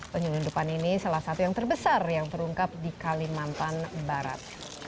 penyelundupan ini salah satu yang terbesar yang terungkap di kalimantan barat